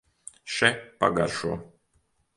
Še, pagaršo!